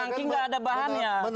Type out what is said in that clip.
sangking tidak ada bahannya